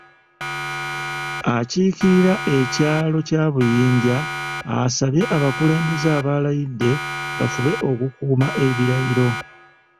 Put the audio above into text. Akiikirira ekyalo kya Buyinja yasabye abakulembeze abalayidde bafube okukuuma ebirayiro.